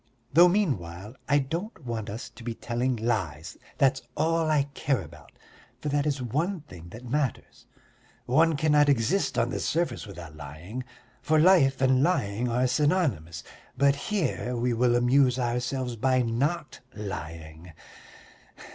Though meanwhile I don't want us to be telling lies. That's all I care about, for that is one thing that matters. One cannot exist on the surface without lying, for life and lying are synonymous, but here we will amuse ourselves by not lying.